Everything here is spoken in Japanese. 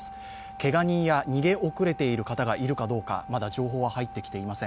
けが人や逃げ遅れている方がいるかどうか、まだ情報は入ってきていません。